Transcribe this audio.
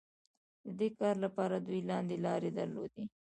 د دې کار لپاره دوی لاندې لارې درلودې.